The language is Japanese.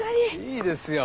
いいですよ。